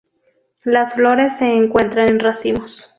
Las flores se encuentran en racimos.